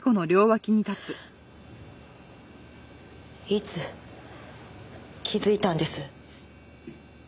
いつ気づいたんです？